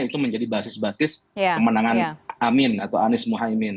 itu menjadi basis basis kemenangan amin atau anies mohaimin